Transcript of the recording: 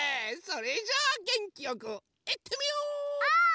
それじゃあげんきよくいってみよう！